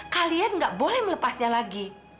kalian nggak boleh melepasnya lagi